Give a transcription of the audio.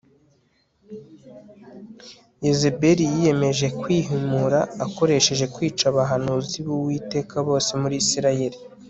Yezebeli yiyemeje kwihimura akoresheje kwica abahanuzi bUwiteka bose muri Isirayeli